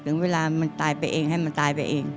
เวลามันตายไปเองให้มันตายไปเอง